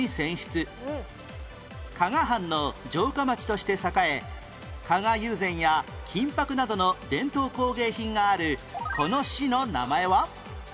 加賀藩の城下町として栄え加賀友禅や金箔などの伝統工芸品があるこの市の名前は？